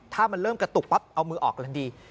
ถ้ามันเริ่มกระตุกปั๊บเอามือออกกำลังดี